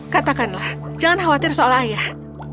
katakanlah jangan khawatir soal ayah